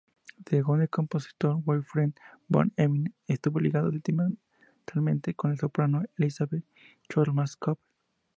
Según el compositor Gottfried von Einem estuvo ligado sentimentalmente a la soprano Elisabeth Schwarzkopf.